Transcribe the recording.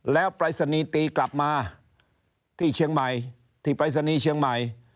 แล้วปรายศนีย์ตีกลับมาที่เชียงใหม่ที่ปรายศนีย์เชียงใหม่